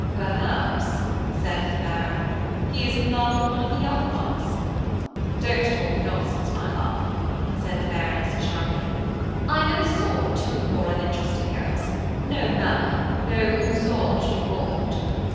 "Perhaps," said the Baron, "he is in love with one of the young ones." "Don't talk nonsense, my love," said the Baroness, sharply, "I never saw two more uninteresting girls–no manner, no usage du monde.